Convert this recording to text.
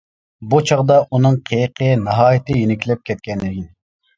بۇ چاغدا ئۇنىڭ قېيىقى ناھايىتى يېنىكلەپ كەتكەن ئىدى.